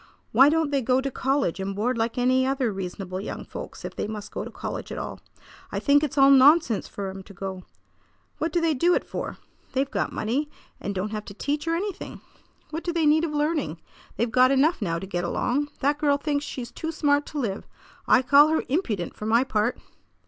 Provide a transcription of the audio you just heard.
"Why don't they go to college and board like any other reasonable young folks if they must go to college at all? I think it's all nonsense for 'em to go. What do they do it for? They've got money, and don't have to teach or anything. What do they need of learning? They've got enough now to get along. That girl thinks she's too smart to live. I call her impudent, for my part!"